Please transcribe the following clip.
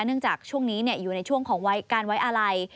จากช่วงนี้อยู่ในช่วงของการไว้อาลัย